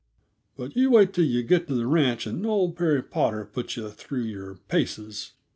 But you wait till yuh get to the ranch and old Perry Potter puts yuh through your paces.